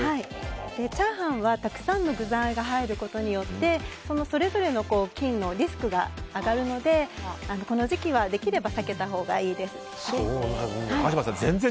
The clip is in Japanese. チャーハンはたくさんの具材が入ることによってそれぞれの菌のリスクが上がるのでこの時期はできれば避けたほうがいいです。